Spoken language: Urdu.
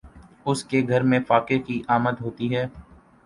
اس کے گھر میں فاقے کی آمد ہوتی ہے